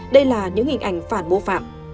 đây là những hình ảnh phản bố phạm